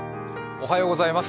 おはようございます。